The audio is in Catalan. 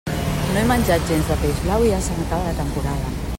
No he menjat gens de peix blau i ja se n'acaba la temporada.